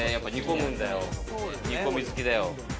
煮込み好きだよ。